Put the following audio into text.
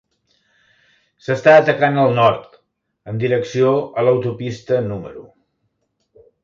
S'està atacant el nord, en direcció a l'autopista número